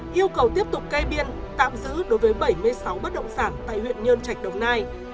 yêu cầu tiếp tục cai biên tạm giữ đối với bảy mươi sáu bất động sản tại huyện nhơn trạch đồng nai